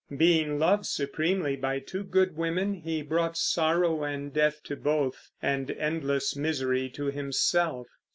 Being loved supremely by two good women, he brought sorrow and death to both, and endless misery to himself.